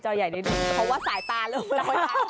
เพราะว่าสายตาเลย